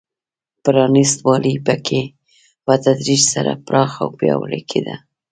پرانېست والی په کې په تدریج سره پراخ او پیاوړی کېده.